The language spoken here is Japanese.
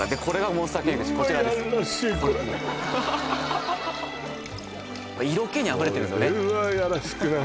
うわやらしくない？